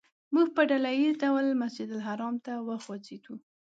موږ په ډله ییز ډول مسجدالحرام ته وخوځېدو.